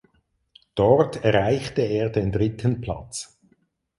Dort erreichte er den dritten Platz.